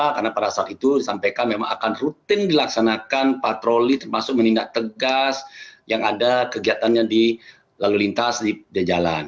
karena pada saat itu disampaikan memang akan rutin dilaksanakan patroli termasuk menindak tegas yang ada kegiatannya di lalu lintas di jalan